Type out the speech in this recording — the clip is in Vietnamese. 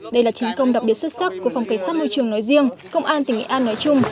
đây là chiến công đặc biệt xuất sắc của phòng cảnh sát môi trường nói riêng công an tỉnh nghệ an nói chung